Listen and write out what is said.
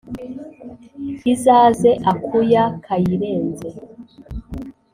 izaze akuya kayirenze,